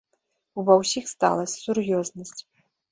Ува ўсіх сталасць, сур'ёзнасць.